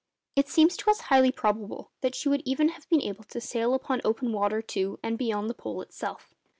It seems to us highly probable that she would even have been able to sail upon open water to and beyond the Pole itself.